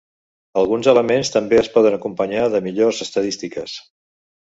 Alguns elements també es poden acompanyar de millors estadístiques.